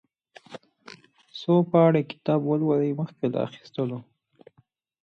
څو پاڼې کتاب ولولئ مخکې له اخيستلو.